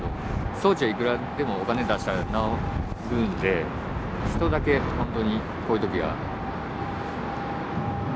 装置はいくらでもお金出したら直るんで人だけほんとにこういう時は。